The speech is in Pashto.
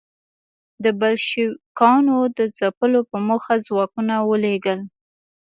د بلشویکانو د ځپلو په موخه ځواکونه ولېږل.